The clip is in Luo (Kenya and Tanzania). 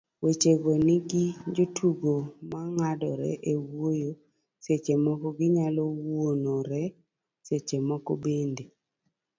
wechego nigi jotugo mang'adore e wuoyo, seche moko ginyalo wuonore, seche moko bende